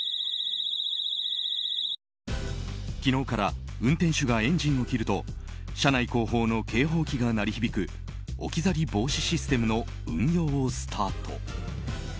昨日から運転手がエンジンを切ると車内後方の警報機が鳴り響く置き去り防止システムの運用をスタート。